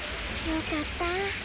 よかった。